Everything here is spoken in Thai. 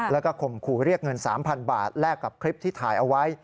แล้วก็ข่มขู่เรียกเงิน๓๐๐๐บาทแลกกับคลิปที่ถ่ายเอาไว้